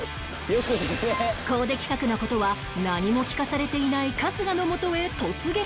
コーデ企画の事は何も聞かされていない春日の元へ突撃！